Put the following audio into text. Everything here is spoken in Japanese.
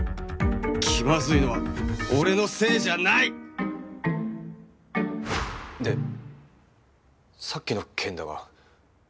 気まずいのは俺のせいじゃない！でさっきの件だが。